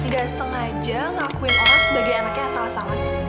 gak sengaja ngakuin orang sebagai anaknya yang salah salah